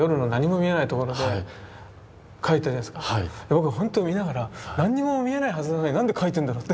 僕本当に見ながら何にも見えないはずなのに何で描いてるんだろう？って。